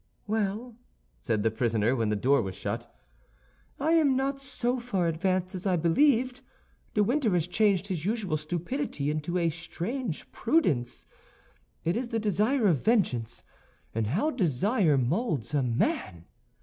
"Well," said the prisoner, when the door was shut, "I am not so far advanced as I believed. De Winter has changed his usual stupidity into a strange prudence. It is the desire of vengeance, and how desire molds a man!